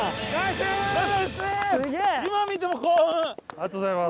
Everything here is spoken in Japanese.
ありがとうございます。